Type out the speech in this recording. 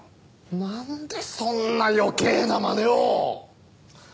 なんでそんな余計なまねを！